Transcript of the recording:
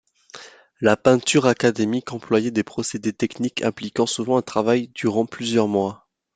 La peinture académique employait des procédés techniques impliquant souvent un travail durant plusieurs mois.